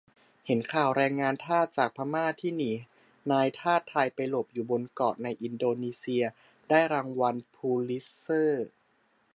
เห็นข่าวแรงงานทาสจากพม่า ที่หนีนายทาสไทยไปหลบอยู่บนเกาะในอินโดนีเซีย ได้รางวัลพูลิตเซอร์